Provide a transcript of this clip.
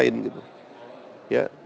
karena orang itu membawa agenda orang lain